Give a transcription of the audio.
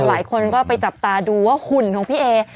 หลายคนก็ไปจับตาดูว่าหุ่นของพี่เอ